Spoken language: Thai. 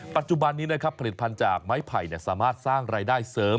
ปัจจุบันนี้นะครับผลิตภัณฑ์จากไม้ไผ่สามารถสร้างรายได้เสริม